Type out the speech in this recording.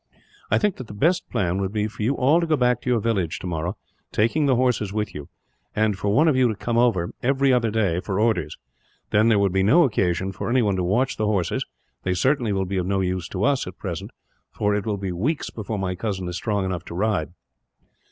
I think that the best plan would be for you all to go back to your village, tomorrow, taking the horses with you; and for one of you to come over, every other day, for orders. Then there would be no occasion for anyone to watch the horses. They certainly will be of no use to us, at present, for it will be weeks before my cousin is strong enough to ride.